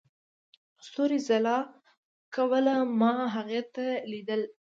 ستورو ځلا کوله، ما هغې ته ليدل.